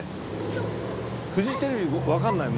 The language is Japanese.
フジテレビわかんない？